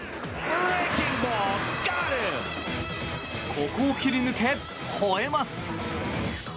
ここを切り抜けほえます！